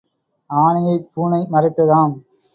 ஆனையைப் பூனை மறைத்ததாம்.